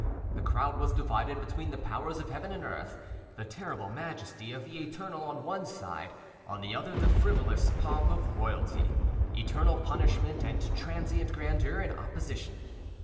The crowd was divided between the powers of heaven and earth: the terrible majesty of the Eternal on one side, on the other the frivolous pomp of royalty—eternal punishment and transient grandeur in opposition.